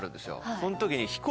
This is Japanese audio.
その時に。